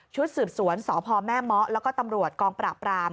สืบสวนสพแม่เมาะแล้วก็ตำรวจกองปราบราม